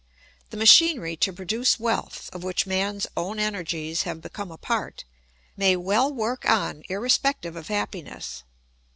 The machinery to produce wealth, of which man's own energies have become a part, may well work on irrespective of happiness.